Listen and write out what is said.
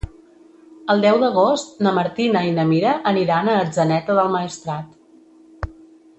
El deu d'agost na Martina i na Mira aniran a Atzeneta del Maestrat.